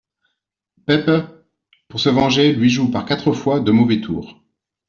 Peppe, pour se venger, lui joue, par quatre fois, de mauvais tours.